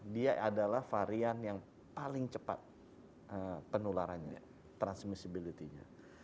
dia adalah varian yang paling cepat penularannya transmissibility nya